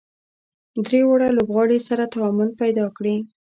درې واړه لوبغاړي سره تعامل پیدا کړي.